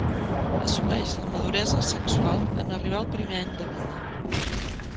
Assoleix la maduresa sexual en arribar al primer any de vida.